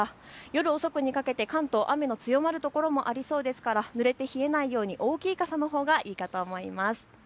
夜遅くにかけて関東、雨の強まる所もありそうですから、ぬれて冷えないように大きい傘のほうがいいかと思います。